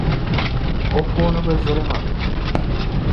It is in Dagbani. O puuni bi zilima.